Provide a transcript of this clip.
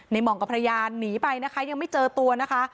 ในหม่องก็พระยานหนีไปยังไม่เจอตัวนะคะ